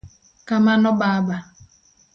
Kamano Baba.